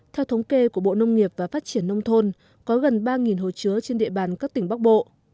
theo thống kê của bộ nông nghiệp và phát triển nông thôn có gần ba hồ chứa trên địa bàn các tỉnh bắc bộ